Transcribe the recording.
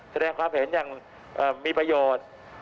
แสดงความเห็นอย่างมีประโยชน์